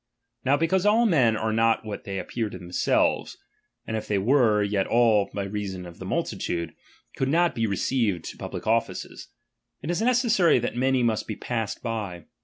Now because all men are not what they appear to themselves ; and if they were, yet all (by reason of the multitude) could not be re ceived to public offices ; it is necessary that many must be passed by.